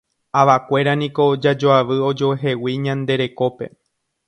Avakuéra niko jajoavy ojoehegui ñande rekópe.